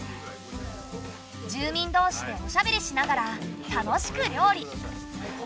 住民どうしでおしゃべりしながら楽しく料理。